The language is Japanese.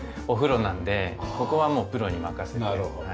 お風呂なのでここはもうプロに任せて。